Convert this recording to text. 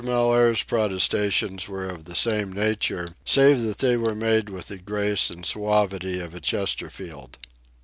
Mellaire's protestations were of the same nature, save that they were made with the grace and suavity of a Chesterfield.